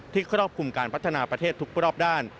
ครอบคลุมการพัฒนาประเทศทุกรอบด้าน